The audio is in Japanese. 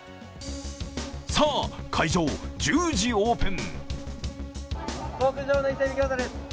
さあ開場、１０時オープン。